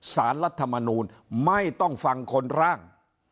รัฐมนูลไม่ต้องฟังคนร่าง